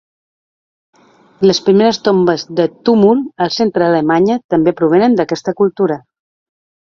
Les primeres tombes de túmul al centre d'Alemanya també provenen d'aquesta cultura.